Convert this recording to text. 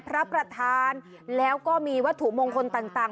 พระประธานแล้วก็มีวัตถุมงคลต่าง